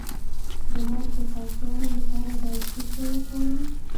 د غوږ د پاکوالي لپاره باید څه شی وکاروم؟